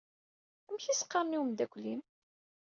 Amek i s-qqaṛen i wemdakel-im?